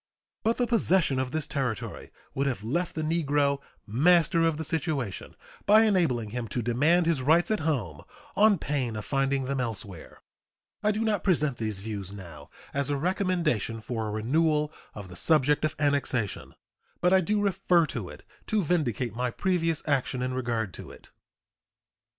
But the possession of this territory would have left the negro "master of the situation," by enabling him to demand his rights at home on pain of finding them elsewhere. I do not present these views now as a recommendation for a renewal of the subject of annexation, but I do refer to it to vindicate my previous action in regard to it.